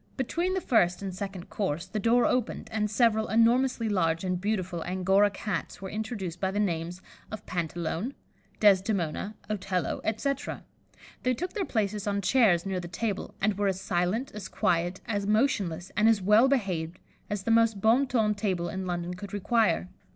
Between the first and second course, the door opened, and several enormously large and beautiful Angora Cats were introduced by the names of Pantalone, Desdemona, Otello, etc.: they took their places on chairs near the table, and were as silent, as quiet, as motionless, and as well behaved as the most bon ton table in London could require.